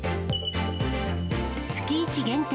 月１限定！